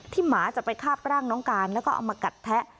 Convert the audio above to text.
หมาจะไปคาบร่างน้องการแล้วก็เอามากัดแทะ